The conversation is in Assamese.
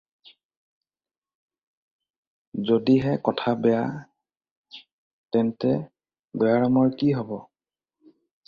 যদিহে কথা বেয়া তেন্তে দয়াৰামৰ কি হ'ব?